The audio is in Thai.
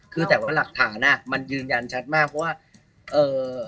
คือแต่ว่าหลักฐานอ่ะมันยืนยันชัดมากเพราะว่าเอ่อ